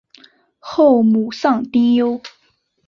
后母丧丁忧。